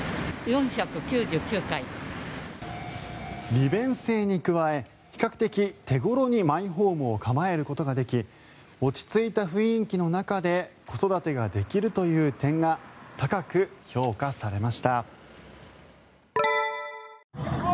利便性に加え比較的手頃にマイホームを構えることができ落ち着いた雰囲気の中で子育てができるという点が高く評価されました。